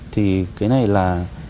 thì cái này là